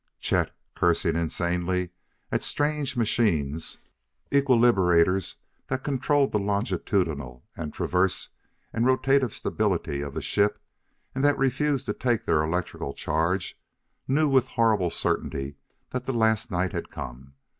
Chet, cursing insanely at strange machines equilibrators that controlled the longitudinal and transverse and rotative stability of the ship and that refused to take their electrical charge knew with horrible certainty that the last night had come.